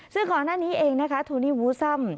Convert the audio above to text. ซึ่งขอหน้านี้เองนะคะทูนี่วูซ่ำ